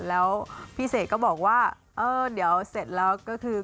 แล้วพี่เสกก็บอกว่าเออเดี๋ยวเสร็จแล้วก็คือ